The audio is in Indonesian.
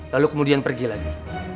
lalu kemudian pergi lagi